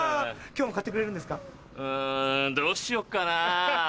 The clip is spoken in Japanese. うんどうしようかなぁ。